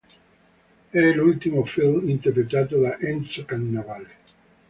È l'ultimo film interpretato da Enzo Cannavale.